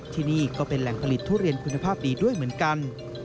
ที่นี่ก็เป็นแหล่งผลิตทุเรียนคุณภาพดีด้วยเหมือนกัน